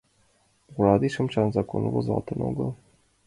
Ораде-шамычлан закон возалтын огыл...